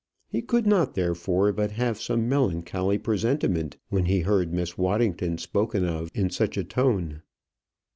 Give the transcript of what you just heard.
He could not, therefore, but have some melancholy presentiment when he heard Miss Waddington spoken of in such a tone.